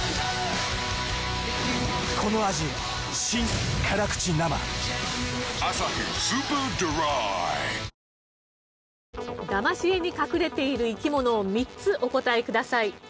新発売だまし絵に隠れている生き物を３つお答えください。